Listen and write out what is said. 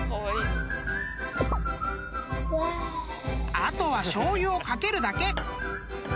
［あとはしょうゆを掛けるだけ］